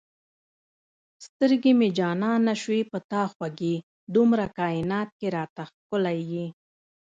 سترګې مې جانانه شوې په تا خوږې دومره کاینات کې را ته ښکلی یې